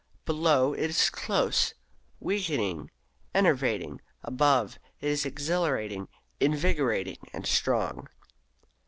Below, it is close, weakening, enervating; above, it is exhilarating, invigorating, and strong.